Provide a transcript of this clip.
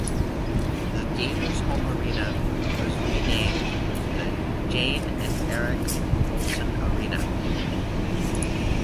The Gaiters home arena was renamed the Jane and Eric Molson Arena.